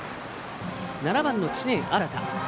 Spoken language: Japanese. ７番の知念新。